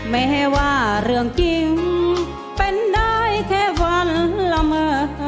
แม้ว่าเรื่องจริงเป็นได้แค่ฝันละเมอ